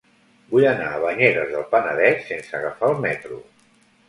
Vull anar a Banyeres del Penedès sense agafar el metro.